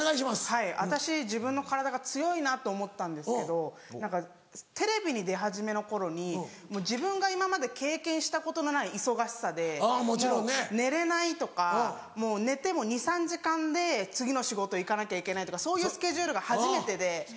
はい私自分の体が強いなと思ったんですけどテレビに出始めの頃に自分が今まで経験したことのない忙しさでもう寝れないとかもう寝ても２３時間で次の仕事行かなきゃいけないとかそういうスケジュールが初めてで。